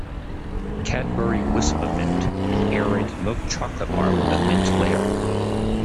Cadbury Wispa Mint: an aerated milk chocolate bar with a mint layer.